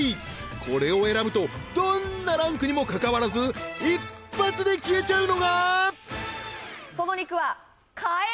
これを選ぶとどんなランクにもかかわらず一発で消えちゃうのがええー！